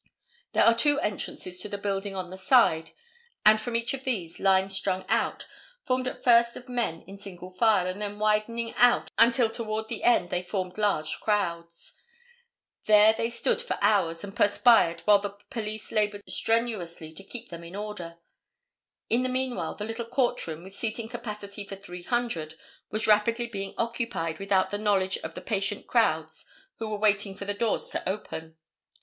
There are two entrances to the building on the side, and from each of these, lines strung out, formed at first of men in single file, and then widening out until toward the end they formed large crowds. There they stood for hours and perspired while the police labored strenuously to keep them in order. In the meanwhile the little courtroom, with seating capacity for three hundred, was rapidly being occupied without the knowledge of the patient crowds who were waiting for the doors to open.